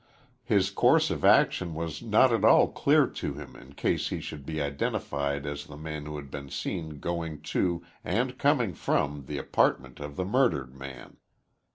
His course of action was not at all clear to him in case he should be identified as the man who had been seen going to and coming from the apartment of the murdered man.